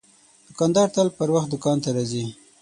دوکاندار تل پر وخت دوکان ته راځي.